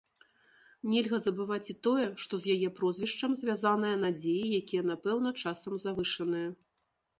Нельга забываць і тое, што з яе прозвішчам звязаныя надзеі, якія напэўна часам завышаныя.